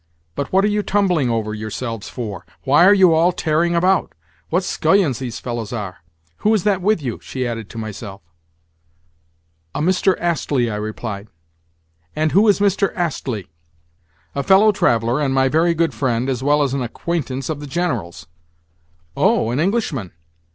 But what are you tumbling over yourselves for? Why are you all tearing about? What scullions these fellows are!—Who is that with you?" she added to myself. "A Mr. Astley," I replied. "And who is Mr. Astley?" "A fellow traveller, and my very good friend, as well as an acquaintance of the General's." "Oh, an Englishman?